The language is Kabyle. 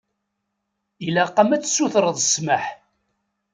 Ilaq-am ad tsutreḍ ssmaḥ.